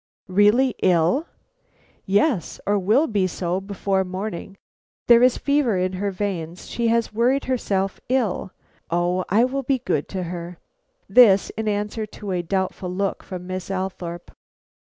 "Really ill?" "Yes, or will be so before morning. There is fever in her veins; she has worried herself ill. Oh, I will be good to her." This in answer to a doubtful look from Miss Althorpe.